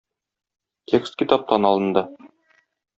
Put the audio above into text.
Текст китаптан алынды.